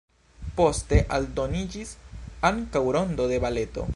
Poste aldoniĝis ankaŭ rondo de baleto.